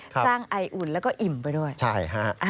ไออุ่นแล้วก็อิ่มไปด้วยใช่ฮะ